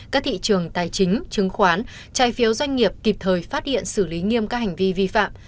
các thị trường tài chính chứng khoán trái phiếu doanh nghiệp kịp thời phát hiện xử lý nghiêm các hành vi vi phạm